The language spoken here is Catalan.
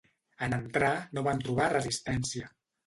En entrar, no van trobar resistència.